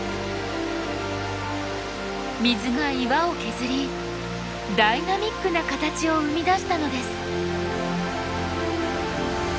水が岩を削りダイナミックな形を生み出したのです。